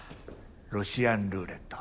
ロシアンルーレット。